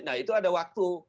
nah itu ada waktu